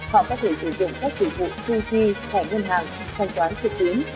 họ có thể sử dụng các dịch vụ thu chi thẻ ngân hàng thanh toán trực tuyến